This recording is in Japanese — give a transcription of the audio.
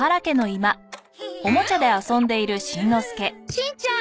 しんちゃん。